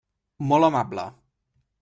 Molt amable.